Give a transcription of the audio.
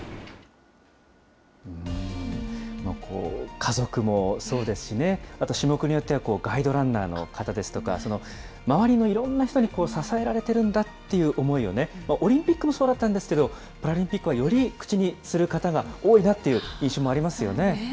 家族もそうですし、あと種目によっては、ガイドランナーの方ですとか、周りのいろんな人に支えられてるんだっていう思いを、オリンピックもそうだったんですけれども、パラリンピックはより口にする方が多いなっていう印象もあります